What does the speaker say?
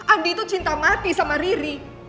andi itu cinta mati sama riri